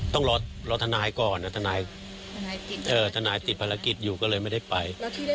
ต้องรอทนายก่อนทนายติดภารกิจอยู่ก็เลยไม่ได้ไป